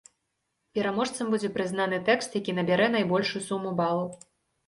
Пераможцам будзе прызнаны тэкст, які набярэ найбольшую суму балаў.